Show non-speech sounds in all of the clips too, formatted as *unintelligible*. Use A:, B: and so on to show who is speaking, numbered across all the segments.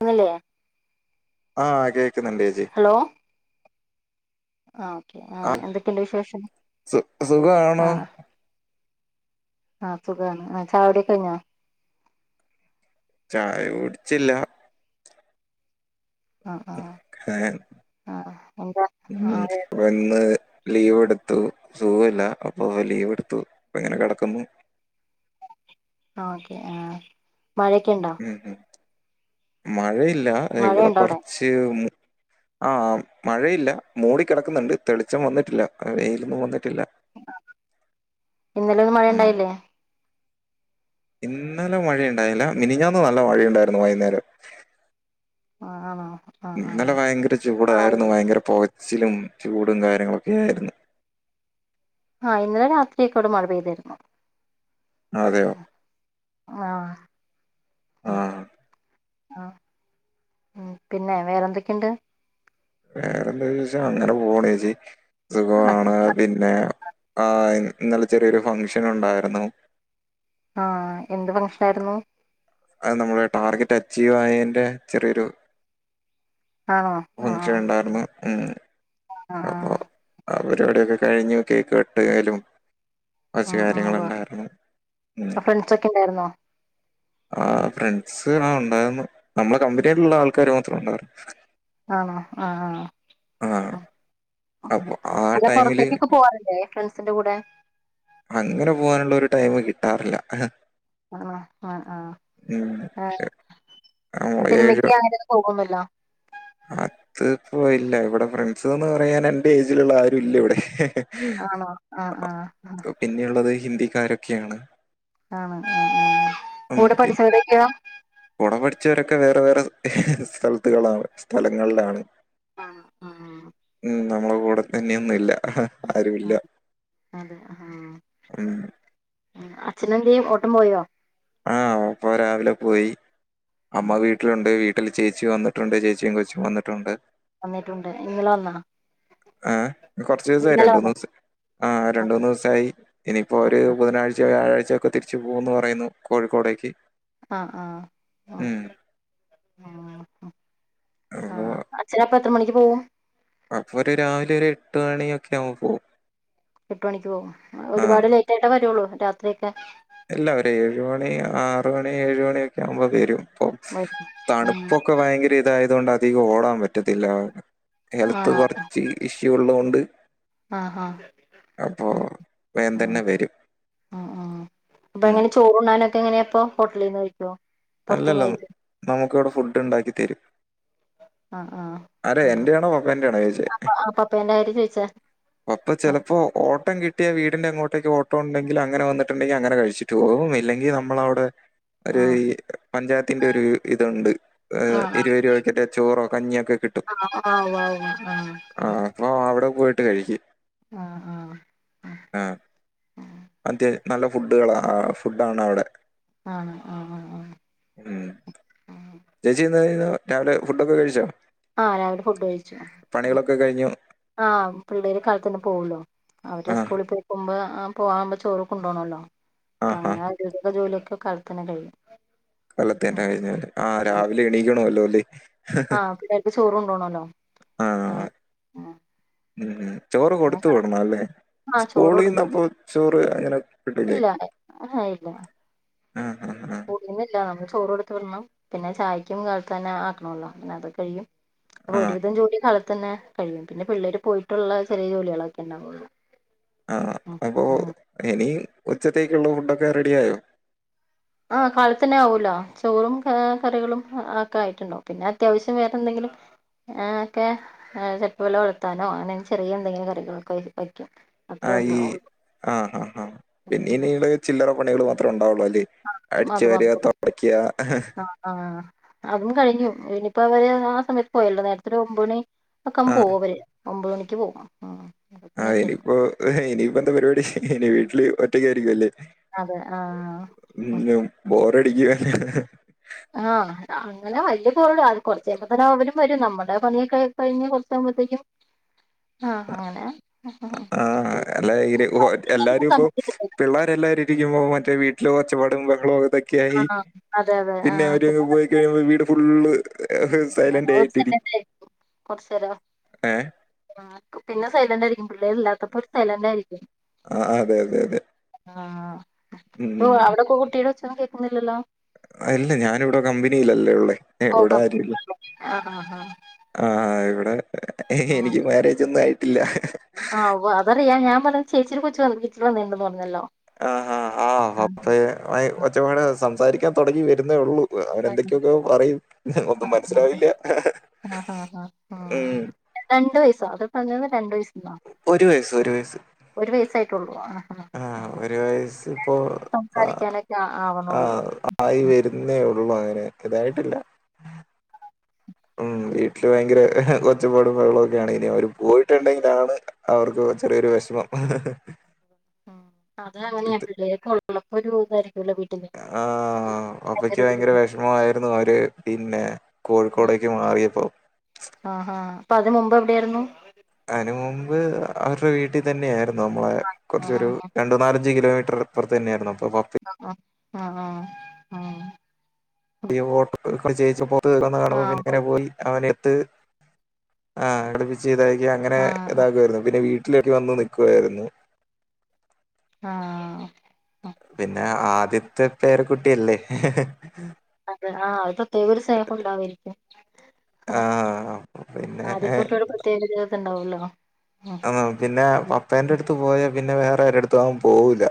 A: *unintelligible* ല്ലേ
B: ആഹ് കേക്കുന്നുണ്ട് ഏച്ചി
A: ആ ഓക്കെ ആ എന്തൊക്കെയുണ്ട് വിശേഷം
B: സു സുഖാണോ
A: ആഹ് ആഹ് സുഖാണ് ചായുടി ഒക്കെ കൈഞ്ഞോ
B: ചായ കുടിച്ചില്ല
A: ആഹ് ആഹ്
B: ഏഹ്,
A: ആഹ് എന്ത
B: ഉം
A: *unintelligible*
B: അപ്പൊ ഇന്ന് ലീവ് എടുത്തു സുഖല്ല അപ്പൊ ലീവ് എടുത്തു പ്പ ഇങ്ങനെ കെടക്കുന്നു
A: ആഹ് ഓക്കെ ആഹ് മഴയൊക്കെ ഇണ്ടൊ
B: മഴയില്ലാ ഇവടെ
A: മഴയുണ്ടോ അവിടെ
B: കൊറച്ച് ആഹ് മഴയില്ല മൂടി കെടക്ക്ന്ന്ണ്ട് തെളിച്ചം വന്നിട്ടില്ല വെയിലൊന്നും വന്നി
A: ഇന്നലെ ഒന്നും മഴ
B: ഉം
A: ഇണ്ടായില്ലേ
B: ഇന്നലെ മഴയുണ്ടായില്ല മിനിഞ്ഞാന്ന് നല്ല മഴയുണ്ടായിരുന്നു വൈന്നേരം
A: ആഹ് ആണോ ആ ആ
B: ഇന്നലെ ഭയങ്കര
A: ആ
B: ചൂടായ്രുന്നു ഭയങ്കര പോ ച്ചിലും ചൂടും കാര്യങ്ങളൊക്കെ ആയിരുന്ന്
A: ആഹ് ഇന്നലെ രാത്രിക്കെവിടെ മഴ പെയ്തിരുന്നു
B: അതെ
A: ആഹ് ആഹ് ഉം പിന്നെ വേറെന്തൊക്കെണ്ട്
B: വേറെന്താ ചോയ്ച്ച അങ്ങനെ പോക്ണു ചേച്ചി സുഖമാണ് പിന്നെ ആഹ് ഇന്നലെ ചെറിയൊരു ഫംഗ്ഷൻ ഉണ്ടായിരുന്നു
A: ആഹ് എന്ത് ഫംഗ്ഷനായിരുന്നു
B: അത് നമ്മളെ ടാർഗറ്റ് അച്ചീവ് ആയേന്റെ ചെറിയൊരു
A: ആണോ ആ ആ
B: ഫംഗ്ഷനുണ്ടായിരുന്നു ഏഹ്
A: ആ
B: അപ്പൊ അ പരിപാടിക്കെ കഴിഞ്ഞു കേക്ക് കട്ടിയ്യലും
A: ആ
B: കുറച്ച്
A: ആ ഉവ്വ്
B: കാര്യങ്ങളുണ്ടായിരുന്നു ഉം
A: ഫ്രണ്ട്സ് ഒക്കെ ഉണ്ടായിരുന്നോ
B: ആ ഫ്രണ്ട്സ് ആഹ് ഉണ്ടായിരുന്നു. നമ്മളെ കമ്പനിയിലുള്ള ആൾക്കാര് മാത്ര ഉണ്ടായിരുന്ന്
A: ആണോ ആഹ് ആഹ്
B: ആഹ്
A: അല്ല പൊറത്തേക്കൊക്കെ പോവാറില്ലേ ഫ്രണ്ട്സിന്റെ കൂടെ
B: അങ്ങനെ പോവാനുള്ള ഒരു ടൈം കിട്ടാറില്ല
A: ആ ആ ആഹ
B: ഉം.
A: ഏ
B: നമ്മള്
A: സിനിമയ്ക്ക് ആരൊന്നും പോകുന്നില്ലാ
B: അത്പ്പോ ഇല്ല ഇവിടെ ഫ്രണ്ട്സ്ന്ന് പറയാൻ എന്റെ ഏജിലുള്ള ആരും ഇല്ല ഇവിടെ
A: ആണോ ആഹ് ആഹ് ആഹ്
B: പിന്നെള്ളത് ഹിന്ദിക്കാരൊക്കെയാണ്.
A: ആ ആ ആ ആ
B: ഉം
A: കൂടെ
B: പിൻ
A: പഠിച്ചവരൊക്ക്യൊ
B: കൂടെ പഠിച്ചവരൊക്കെ വേറെ വേറെ ഹ്ഹ സ്ഥലത്തുകളാണ് സ്ഥലങ്ങളിലാണ്
A: ആണോ ആഹ്
B: ഉം നമ്മള് കൂടെ തന്നെയൊന്നും ഇല്ല ആരുമില്ല.
A: ആഹ് അതെ ആഹ്
B: ഉം
A: ആഹ് അച്ഛനെന്തേ ഓട്ടം പോയോ
B: ആഹ് ഓപ്പൊ രാവിലെ പോയി അമ്മ
A: ഉം,
B: വീട്ടില്ണ്ട് വീട്ടില് ചേച്ചി വന്നിട്ടുണ്ട് ചേച്ചിം കൊച്ചും വന്നിട്ടുണ്ട്
A: വന്നിട്ടുണ്ട് ഇന്നല വന്ന
B: ആഹ് കൊറച്ചിസായി രണ്ടു മൂന്നസാ ആ രണ്ടു മൂന്ന് ദിവസായി ഇനിയിപ്പോ
A: ആഹ്
B: ഒരു ബുധനാഴ്ച വ്യാഴാഴച ക്കെതിരിച്ചു പോകൂന്ന് പറയുന്നു കോഴിക്കോടേക്ക്
A: ആഹ് ആഹ് ആ
B: ഉം
A: ആ ആ
B: അപ്പൊ
A: ആഹ് അച്ഛൻ അപ്പ എത്ര മണിക്ക് പോകും
B: അപ്പൊ ഒര് രാവിലെ ഒരു എട്ട് മണിയൊക്കാവുമ്പൊ പോവും
A: എട്ട് മണിക്ക് പോകും ഒരുപാട് ലേറ്റ് ആയിട്ടേ വരുള്ളൂ രാത്രിയൊക്കെ.
B: ഇല്ല ഒരേഴ് മണി ആറ് മണി ഏഴ് മണിയൊക്കെ ആവുമ്പോ വരും അപ്പൊ
A: വരും ഉം
B: തണുപ്പൊക്കെ ഭയങ്കര ഇതായത് കൊണ്ട് അധികം ഓടാൻ പറ്റത്തില്ല ഹെൽത്ത്
A: ആണോ
B: കുറച്ച് ഇഷ്യൂ ഉള്ളോണ്ട്
A: ആഹ് ആഹ്
B: അപ്പോ വേകം
A: ആഹ്
B: തന്നെ വരും
A: ആ ആ അപ്പൊ
B: ഉം
A: എങ്ങനെ ചോറ് ഉണ്ണാനൊക്കെ എങ്ങനെയാ അപ്പൊ ഹോട്ടലിൽ നിന്ന് കഴിക്കെ
B: അല്ലല്ല നമുക്കിവടെ ഫുഡ്ഡാണ്ടാക്കി തരും
A: ആ ആ
B: അരേ എന്റെയാണൊ പപ്പന്റെയാണൊ ചൊയ്ചെ
A: അപ്പൊ ആ പപ്പേന്റെ കാര്യം ചോദിച്ചാ
B: അപ്പൊ ചിലപ്പൊ ഓട്ടം കിട്ട ട്ടിയ വീടിന്റെ അങ്ങോട്ടേക്ക് ഓട്ടോ ഉണ്ടെങ്കില് അങ്ങനെ വന്നിട്ട്ണ്ടെങ്കി അങ്ങനെ കഴ്ച്ച്ട്ട് പോവും ഇല്ലെങ്കി നമ്മളവടെ
A: ആ
B: ഒരു ഈ പഞ്ചായത്തിന്റെ ഒരു ഇതുണ്ട് എ്
A: ആ
B: ഇരുപതു രൂപക്കൊറ്റെ ചോറോ കഞ്ഞിയൊക്കെ കിട്ടും
A: ആ ആഓആഹ് ആഹ്
B: ആ അപ്പൊ അവിടെ പോയിട്ട് കഴിക്ക്
A: ആഹ ആഹ ആ ഉ
B: മറ്റേ നല്ല ഫുഡുകളാ ആ ഫുഡാണ് അവിടെ
A: ആണ് ആഹ് ആഹ് ആഹ്
B: ഉം
A: ആഹ്
B: ചേച്ചി രാവിലെ ഫുഡൊക്കെ കഴിച്ചോ
A: ആഹ് രാവിലെ ഫുഡ് കഴിച്ചു
B: പണികളൊക്കെ കഴിഞ്ഞു
A: ആഹ് പിള്ളേര് കാലത്തന്നെ പോവൂലോ അവര്
B: ആ
A: സ്കൂളിൽ പോയിക്കുമ്പോ ആഹ് പോകാവുമ്പൊ ചോറ് കൊണ്ടോണല്ലോ
B: ആ
A: അപ്പൊ
B: ആ
A: അങ്ങനെ ദിവസ ജോലിയൊക്കെ അപ്പൊതന്നെ കഴിയും ഉം
B: കാലത്തന്നെ കഴിഞ്ഞാല് ആ രാവിലെ എണീക്കണല്ലോ അല്ലേ
A: ആഹ് പിള്ളേർക്ക് ചോറുണ്ടോ വണല്ലോ ആ ആഹ്
B: ഉം ചോറ് കൊടുത്തു വുടണം അല്ലെ
A: ആ ചോറ് കൊടുത്തു
B: സ്കൂളീന്നപ്പൊ ചോറ് അങ്ങനെ കിട്ടില്ലേ
A: ഇല്ല ആ ഇല്ല
B: ആ ആ ആ
A: സ്കൂളി ചോറ് കൊടുത്ത് വിടണം പിന്നെ ചായക്കും കാലത്ത് തന്നെ ആക്കണല്ലോ പിന്നെ അത് കഴിയും അപ്പൊ
B: ആ
A: ഒരുവിധം ജോലി തന്നെ കഴിയും. പിന്നെ പിള്ളേര് പോയിട്ടുള്ള ചെറിയ ജോലികളൊക്കെ ഇണ്ടാകൊള്ളൂ
B: ആഹ് അപ്പോ ഇനി ഉച്ചത്തേക്കുള്ള ഫുഡൊക്കെ റെഡി ആയോ
A: ആ കാലത്തെന്നെ ആവൂലോ ചോറും ക കറികളും ഒക്കെ ആയിട്ടുണ്ടാവും പിന്നെ അത്യാവശ്യം വേറെ എന്തെങ്കിലും ആ ഒക്കെ ചപ്പുവില വളത്താനോ അങ്ങനെ ചെറിയ എന്തെങ്കിലും കറികളൊക്കെ വയ്ക്കും
B: ആ
A: അത്രേ
B: ഈ
A: ഉണ്ടാവുള്ളൂ
B: ആ ആ ആഹ്
A: ഉം.
B: പിന്നെനിയിള് ചില്ലറ പണികള് മാത്ര ഉണ്ടാവുള്ളൂ അല്ലേ അടിച്ചു
A: അത് മാത്രേ
B: വാര്ക
A: ഉള്ളൂ
B: തൊടക്ക
A: ആഹ് ആഹ് അതും കഴിഞ്ഞു ഇനിയിപ്പോ അവര് ആ സമയത്ത് പോയല്ലോ നേരത്തെരു ഒമ്പ മണി ഒക്കെ്പ
B: ആ
A: പോകവര് ഒമ്പത് മണിക്ക് പോവും ആഹ്
B: ആഹ് ഇനിയിപ്പോ ഇനിയിപ്പോ എന്താ പരിപാടി ഇനി വീട്ടില് ഒറ്റക്ക് ആയിരിക്കും അല്ലേ
A: അതെ ആ
B: *unintelligible*
A: ആഹ് അങ്ങനെ കുറച്ച് കയ്യുമ്പത്തിന് അവരും വരും. നമ്മടെ പണിയൊക്കെ കഴിഞ്ഞ് പുറത്തിറ ആ അങ്ങനെ
B: ആഹ് അല്ല എല്ലാരും ഇപ്പൊ പിള്ളേരെ എല്ലാരു ഇരിക്കുമ്പൊ മറ്റെ മറ്റേ വീട്ടിലൊ ഒച്ചപാടും ബഹളൊതൊക്കയായി
A: ആഹ് അതെ അതെ
B: പിന്നെ
A: ആഹ്
B: അവര് പോയി കയ്യുമ്പൊ വീട് *unintelligible* ഏ ഹ്സൈലന്റ്
A: ഒരു
B: ആയിട്ടിരിക്ക
A: സെക്കൻഡ് കുറച്ച് നേരം
B: ഏ
A: പിള്ളേരില്ലാത്തപ്പൊ ഒര് സ്ഥലണ്ടായ്നിലെ
B: ആ അതെ അതെ അതെ
A: ഉം ആഹ് പൊ
B: ഉം
A: അവിടൊക്കെ കുട്ടീടെ ഒച്ചെന്നും കേൾക്കുന്നില്ലല്ലോ
B: അല്ല ഞാനിവിടെ കമ്പനിയിലല്ലേ ഉള്ളേ ഇവിടെ
A: ഓക്കം
B: ആരൂല്ല
A: ആഹ് ആഹ് ആഹ്
B: ആഹ് ഇവിടെ അ
A: ആഹ്
B: എനിക്ക് മാര്യേജ് ഒന്നും ആയിട്ടില്ല
A: ആഹ് ഒവ്വ് അതറിയ ഞാൻ പറഞ്ഞത് ചേച്ചിടെ കൊച്ച് വന്ന് വീട്ടില് വന്നീന്നു പറഞ്ഞല്ലൊ
B: ആ ആ ആഹ് അപ്പ കൊച്ചമ്മേട് സംസാരിക്കാൻ തുടങ്ങി വരുന്നേ ഉള്ളൂ അവൻ എന്തൊക്കെയൊക്കെയോ പറയും ഒന്നും മനസ്സിലാവില്ല
A: ആ ആ ആ
B: ഉം.
A: രണ്ട വയസ അത് പറഞ്ഞന്ന് രണ്ട വസ
B: ഒരു വയസ് ഒരു വയസ്സ്.
A: ള
B: ആ ഒരു വയസിപ്പോ ആ
A: സംസാരിക്കാനൊക്കെ ആ-
B: ആ
A: ആവണുള്ളൂ
B: ആയി
A: ഉം.
B: വരുന്നേ ഉള്ളൂ അങ്ങനെ ഇതായിട്ടില്ല ഉം വീട്ടില് ഭയങ്കര ഒച്ചപ്പാടും ബഹളോക്കെയാണ് ഇനി അവര് പോയിട്ടൊണ്ടെങ്കിലാണ് അവർക്ക് പ്പ ചെറിയൊരു വെഷമം.
A: അത അങ്ങനെയാ പിള്ളേക്കെ ഉള്ളപ്പോ ഒരുതായിരിക്കും
B: ആ അപ്പയ്ക്ക് ഭയങ്കര വിഷമമായിയിരുന്നു അവര് പിന്നെ കോഴിക്കോടേക്ക് മാറിയപ്പോ
A: ആഹാ അപ്പൊ അതിനന് മുമ്പ് എവിടെ ആയിരുന്നു
B: അതിനു മുമ്പ് അവരുടെ വീട്ടിൽ തന്നെയ ആായിരുന്നു നമ്മളെ കുറച്ചൊരു
A: ആഹ്
B: രണ്ടു നാല അ കിലോമറ്റർപ്പറത്ത്ന്നായിരുന്നു അ
A: ആഹ ആഹ ആഹ് ആഹ ആഹ
B: *unintelligible*
A: ആഹ് ആഹ്
B: പിന്നങ്ങനെ പോയി *unintelligible* ആ അടുപ്പച്ച് ഇതാക്കി അങ്ങനെ
A: ആഹ്
B: ഇതകമായിരുന്നു പിന്നെ വീട്ട ട്ടിലേക്കു വന്നു നിക്കുവാരുന്നു
A: ആ
B: പിന്നെ ആദ്യത്തെ പേരക്കുട്ടിയല്ലേ
A: ആ അ പ്രത്യേക ഒരു സ്നേഹം ഉണ്ടാാവരിക്കും ആ
B: ആഹ് പിന്നെ
A: ആദ്യത്തെ കുട്ടിയോട് ഒരു പ്രത്യേക ണ്ടാവല്ലോ
B: ആ പിന്നെ പപ്പേന്റെ അടുത്ത് പോയാ പിന്നെ വേറെ ഒരുരുടുത്ത് അവൻ പോകൂല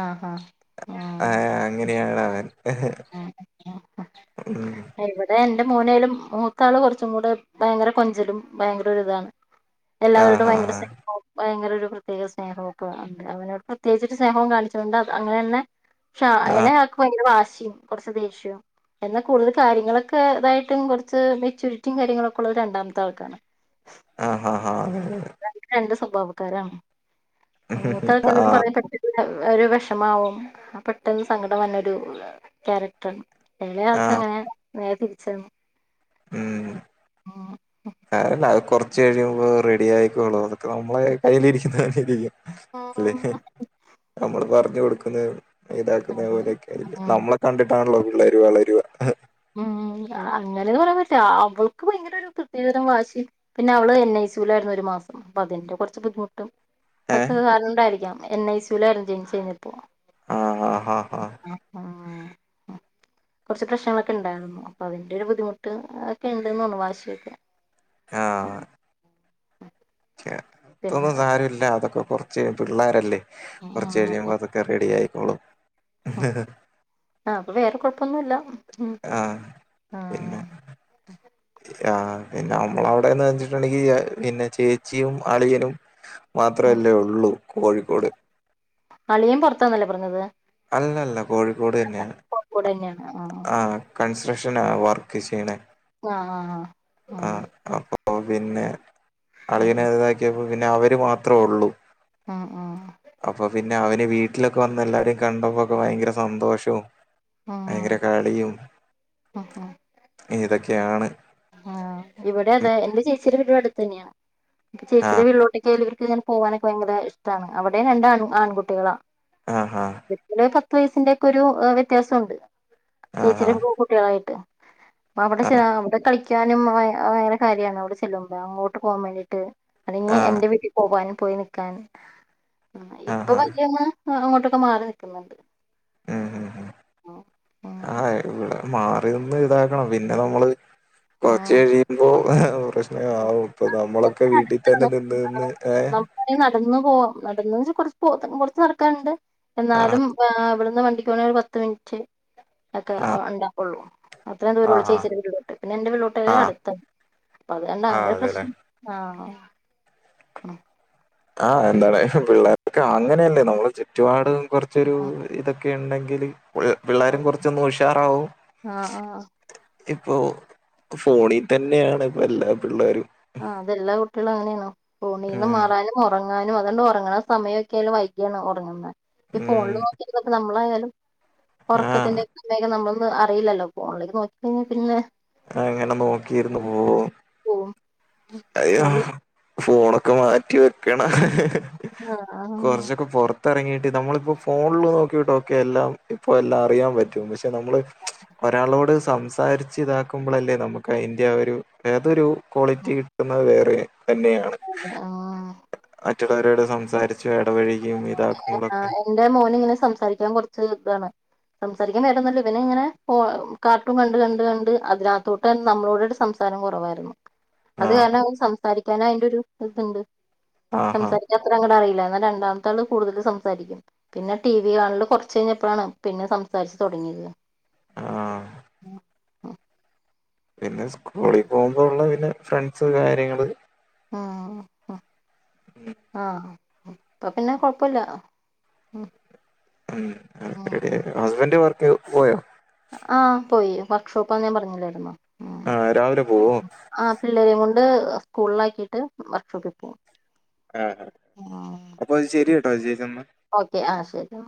A: ആ ആ. ആ.
B: അങ്ങനെയാണ് അവൻ. ഉം
A: ഇവിടെ എ എന്റെ മൂനേയിലും മൂത്താള് കുറച്ചും കൂടെ ഭയങ്കര കൊഞ്ചിലും ഭയങ്കര ഇതാണ് എല്ലാവരോടും
B: ആഹ്
A: ഭയങ്കര സ്നേഹോം ഭയങ്കര ഒരു പ്രത്യേക സ്നേഹവും ഒക്കെ ഉണ്ട് അവനോട് പ്രത്യേകിച്ചൊരു സ്നേഹവും കാണിച്ചകൊണ്ട് അങ്ങനെതന്നെ പക്ഷേ
B: ആഹ്
A: ഇളയാൾക് ഭയങ്കര വാശിയും കുറച്ച് ദേഷ്യവും എന്നാൽ കൂടുതൽ കാര്യങ്ങളൊക്കെ എന്നാ കൂടുതൽ കാര്യങ്ങളൊക്കെ ഇതായിട്ടും കുറച്ച് മെച്യൂരിറ്റിയും കാര്യങ്ങളൊക്കെ രണ്ടാമത്തെ ആൾക്കാണ്‌
B: ആ ആ ആ
A: ഭാവക്കാരാണ് ർത്തൊക്കെ
B: അതെ
A: *unintelligible* എന്തും
B: ആഹ്
A: പറയാൻ പറ്റ ഒരു വിഷമാവുംവും ആ പെട്ടെന്ന് സങ്കടം വന്നരു ക്യാരക്ടർണ് ഇലയാക്ക *unintelligible*
B: ആഹ്
A: അങ്ങനെ നേരെ തിരിച്ചാണ്
B: ഉം
A: ഉം
B: അതല്ല അത് കൊറ ച്ച് കഴിയുമ്പോ റെഡി ആയിക്കോളും അതൊക്കെ നമ്മളെ കയ്യിലി രിക്കുന്നപോണക്കിരിക്കും. അല്ലേ നമ്മള് പറഞ്ഞു കൊടുക്കുന്ന ഇതാക്കുന്ന പോലെയൊക്കെ ഇ
A: ഉം
B: നമ്മളെ കണ്ടിട്ടാണല്ലോ പിള്ളേരുവ വളരുവ
A: ആ *unintelligible* അങ്ങനെയന്ന് പറയാൻ പറ്റ അവൾക്ക് ഭയങ്കര ഒരു പ്രത്യേകതരംാശി പിന്നെ അവള് എൻ ഐ സുായിരുന്നു മാം പ്പതിന്റെ കുറച്ച് ബുദ്ധിമുട്ടും
B: ഏഹ്
A: അക്ക അതുകൊണ്ടായിരിക്കാം എൻ ഐ സുലായിരുന്നു ജനിച്ചു കഴിഞ്ഞപ്പോ.
B: ആഹ് ആഹ് ആഹ് ആഹ്
A: കുറച്ച് പ്രശ്നങ്ങൊ ക്കുണ്ടായിരുന്നു അപ്പൊ അതിന്റെ ഒരു ബുദ്ധിമുട്ട് ഒക്കെ ഉണ്ടുന്നുണ് വാശിയൊക്കെ.
B: ആഹ
A: പിന്നെ
B: ഇത്തൊന്നും സാരല്ല അതൊക്കെപ്പം കുറച്ച് പിള്ളേരല്ലേ കുറച്ച് കഴിയുമ്പോൾ അതൊക്കെ റെഡി ആയി തുള
A: ആ അപ്പൊ വേറെ കൊഴപ്പൊന്നുമല്ല
B: ആ പിന്നെ ആ പിന്നെ നമ്മള അവിടെന്ന് വച്ചിട്ടുണ്ടെങ്കിൽ പിന്നെ ചേച്ചിയും അളിയനും
A: ഉം
B: മാത്രമല്ലേ ഉള്ളൂ കോഴിക്കോട്
A: അളിയൻ പുറത്താന്നല്ലേ പറഞ്ഞത്
B: അല്ലല്ല കോഴിക്കോട് തന്നെയാണ്.
A: കൂടെന്നെയാണ് ആഹ്
B: ആ കൺസ്ട്രക്ഷനാ വർക്ക് ചെയ്യണേ.
A: ആ ആഹ് ആ
B: പിന്നെ അളവിനെതാക്കിയപ്പോ പിന്നെ അവര് മാത്രേ ഉള്ളൂ
A: ആ ആ
B: അപ്പൊ പിന്നെ അവന് വീട്ടിലൊക്കെ വന്ന എല്ലാരെയും കണ്ടപ്പോക്കെ ഭയങ്കര സന്തോഷവും
A: ഉം
B: അും
A: ആ
B: ഇതൊക്കെയാണ്. ഉം
A: ചേച്ചിയ ഒരുപ അടുത്ത് തന്നെയാണ്പ്പ
B: ആ
A: ചേച്ചിയുടെ വീള്ളിലോട്ടൊക്കെ ഇങ്ങനെ പോകാനൊക്കെ ഭയങ്കര ഇഷ്ടമാണ് അവിടെയും രണ്ട ആൺകുട്ടികളാ
B: ആഹാ
A: പത്ത് വയസിന്റെയ ഒക്കെ ഒരു വ്യത്യാസംുണ്ട്
B: ആഹാ
A: ചേച്ചിരും പൂൺകുട്ടികളായിട്ട് അ അവിടെ
B: ആ
A: അവിടെ കളിക്കാനും ഭയര കാര്യമാണ് അവിടെ ചെല്ലുമ്പ അങ്ങോട്ട് പോകാൻ വേണ്ടീട്ട് അത
B: ആ
A: എന്റെ വീട്ടിൽ പോവൻും പോയി നക്കൻ ഇപ്പൊ
B: ആഹാ
A: വന്ന് ആ അങ്ങോട്ടൊക്കെ മാറി നിൽക്കുന്നുണ്ട്
B: ഉം ഉം ഉം
A: ഉം
B: ആ ഇവിടെ മാറി നിന്ന് ഇതാക്കണം പിന്നെ നമ്മള് കൊറച്ച്
A: ആഹ്
B: കഴിയുമ്പോ പ്രശ്ന ആവും ഇപ്പൊ നമ്മളൊക്കെ വീട്ടിൽ തന്നെ നിന്ന് നിന്ന് ഏ.
A: നടന്ന കൊറച്ച് നടക്കാനുണ്ട്
B: ആ
A: എന്നാലും ഇവിടെ ഇവിടുന്നു വണ്ടിക്കു പോണേ ഒരു പത്ത് മിനിറ്റ് ഒക്കെ
B: ആഹ്
A: ഉണ്ടാക്കുള്ളൂ അത്രയും ദൂരം
B: ആഹ് ആഹ്
A: വിളിചേച്ചിട്ട് *unintelligible* പിന്നെ എന്റെറെ വള്ളിലോട്ട *unintelligible*
B: ആഹ്
A: അടുത്ത അപ്പത് കണ്ടാ അങ്ങനെ
B: ആഹ്
A: ഒരു
B: അതെല്ലേ
A: പ്രശ്നം ആ ഉഹ *unintelligible* *inaudible*
B: ആ എന്താണ് പിള്ളേർക്കെ അങ്ങനെയല്ലേ നമ്മള് ചുറ്റുപാട കുറച്ചൊരു
A: ആഹ്
B: ഇതൊക്കെ ഒക്കെ ഉണ്ടെങ്കില് പിള്ളാരും കുറച്ചൊന്നുഷാറാവും.
A: ആഹ്
B: ഇപ്പോൊ ഫോണിൽ തന്നെയാണ് ഇപ്പോ എല്ലാ പിള്ളേരും
A: ആഹ് അതെല്ലാ കുട്ടികളും അങ്ങനെയണോ ഫോണീന്ന്
B: ഉം
A: മാറാനും ഉറങ്ങ ഞാനും എന്നും ഉറങ്ങണ സമയൊക്കെയായിനു വൈകിയാണൊറങ്ങുന്നേ ഈ
B: ഉം
A: ഫോണിലു നോക്കിയിരുന്നിട്ടു നമ്മളെ
B: ആഹ്
A: ഉറക്കത്തിന്റെ *unintelligible* നമ്മളൊന്നും അറിയില്ലല്ലോ ഫോണിലേക്ക് നോക്കി കഴിഞ്ഞാൽ പിന്നെ
B: ആ എങ്ങനെ നോക്കിയിരുന്നു പോകോ
A: പോവും
B: അയ്യോ
A: നമ്മൾ
B: ഫോണൊക്കെ മാറ്റി വെക്കണ
A: ആ ആ
B: ഇറങ്ങിയിട്ട് നമ്മളിപ്പോൾ ഫോണിൽ നോക്കിയിട്ട്ക്കെ എല്ലാം ഇപ്പം എല്ലാം അറിയാൻ പറ്റും നമ്മള് ഒരാളോട് സംസാരിച്ച് ഇതാ ുമ്പോല്ലേ *unintelligible* നമുക്ക് അയിന്റെ ഒരു ഏതൊരു ക്വാളിറ്റി കിട്ടുന്നത് വേറെ തന്നെയാണ്
A: ആഹ് ആഹ്
B: അറ്റുകാരോട് സംസാരിച്ച
A: *unintelligible* ആ എന്റെ മോനിങ്ങനെ സംസാരിക്കാൻ കുറച്ച് ഇതാണ് സംസാരിക്കാൻ *unintelligible* ഇവനിങ്ങനെ കാർട്ടൂൺ കണ്ട് കണ്ട് കണ്ട് അതിനാത്തോട്ട് നമ്മളോടെട സംസാരം കുറവാരുന്നു. അത്
B: ആഹ്
A: കാരണം അവ സംസാരിക്കൻ അതിന്റെ ഒരു ഇതുണ്ട്
B: ആഹാ
A: സംസാരിക്കാൻ അത്ര അങ്ങടറിയ രണ്ടാമത്താള് കൂടുതലു സംസാരിക്കും പിന്നെ ടി വി കാണല് കൊറച്ചു കഴിഞ്ഞപ്പഴാണ് പിന്നെ സംസാരിച്ചു തൊടങ്ങിയത്.
B: ആ
A: ആഹ്
B: പിന്നെ സ്കൂളിൽ പോകുമ്പോ ഉള്ള പിന്നെ ഫ്രണ്ട്സ് കാര്യങ്ങള്
A: ആ
B: ഉം
A: ആഹ് ഇപ്പൊ പിന്നെ കൊഴപ്പില്ല ഉം
B: ഉം ഹസ്ബൻഡ് വർക്ക് പോയോ
A: വർക്ക്ഷോപ്പാ ഞാൻ പറഞ്ഞില്ലാരുന്നോ.
B: ആ, രാവിലെപോവും
A: പിള്ളേരേം കൊണ്ട് സ്കൂളിലാക്കിയിട്ട് വർക്ക്ഷോപ്പിൽ പോകും
B: ആ അപ്പോഅത്ശെരി യിട്ടൊ ശെരിയെന്ന
A: ചേട്ടാ